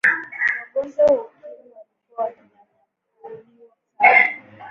wagonjwa wa ukimwi walikuwa wakinyanyapaliwa sana